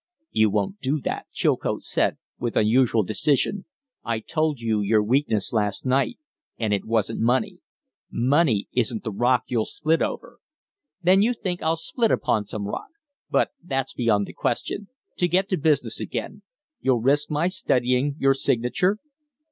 "You won't do that," Chilcote said, with unusual decision. "I told you your weakness last night; and it wasn't money. Money isn't the rock you'll split over." "Then you think I'll split upon some rock? But that's beyond the question. To get to business again. You'll risk my studying your signature?"